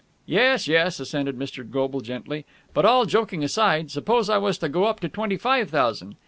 "Yes, yes," assented Mr. Goble gently. "But, all joking aside, suppose I was to go up to twenty five thousand...?"